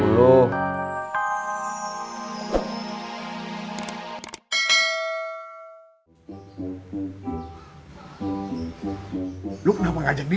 lu kenapa ngajak dia